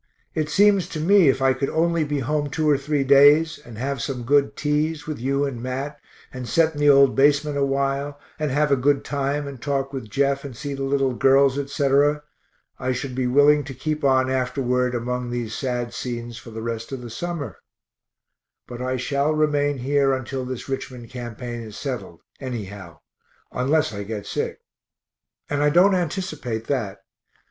It seems to me if I could only be home two or three days, and have some good teas with you and Mat, and set in the old basement a while, and have a good time and talk with Jeff, and see the little girls, etc., I should be willing to keep on afterward among these sad scenes for the rest of the summer but I shall remain here until this Richmond campaign is settled, anyhow, unless I get sick, and I don't anticipate that.